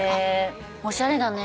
おしゃれだね。